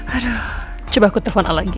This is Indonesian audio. aduh coba aku telepon lagi